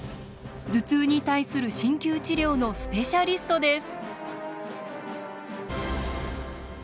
頭痛に対する鍼灸治療のスペシャリストです。